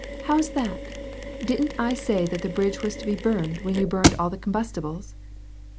" How's that ? Didn't I say that the bridge was to be burned, when you burned all the combustibles